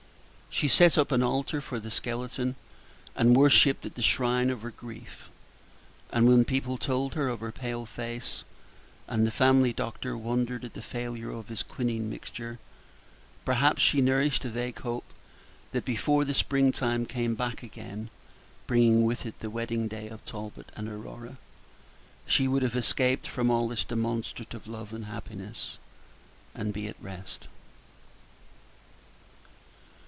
She set up an altar for the skeleton, and worshipped at the shrine of her grief; and when people told her of her pale face, and the family doctor wondered at the failure of his quinine mixture, perhaps she nourished a vague hope that before the spring time came back again, bringing with it the wedding day of Talbot and Aurora, she would have escaped from all this demonstrative love and happiness, and be at rest.